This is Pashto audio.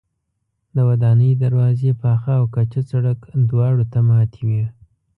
د ودانۍ دروازې پاخه او کچه سړک دواړو ته ماتې وې.